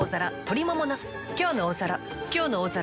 「きょうの大皿」